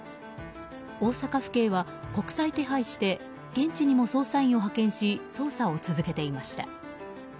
大阪府警は、国際手配して現地にも捜査員を派遣し捜査を続けていました。